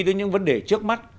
đến những vấn đề trước mắt